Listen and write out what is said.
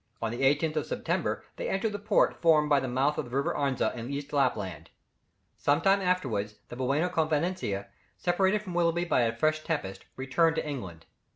On the 18th of September, they entered the port formed by the mouth of the River Arzina in East Lapland. Some time afterwards, the Buona Confidencia, separated from Willoughby by a fresh tempest, returned to England.